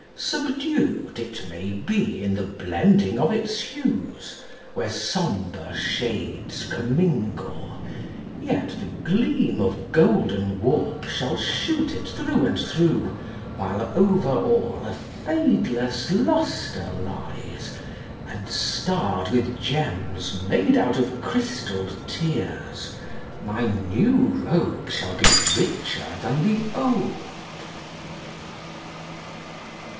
Subdued, It may be, in the blending of its hues, Where somber shades commingle, yet the gleam Of golden warp shall shoot it through and through, While over all a fadeless luster lies, And starred with gems made out of crystalled tears, My new robe shall be richer than the old.